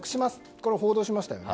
これも報道しましたよね。